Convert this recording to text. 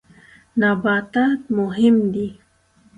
نباتات مهم دي.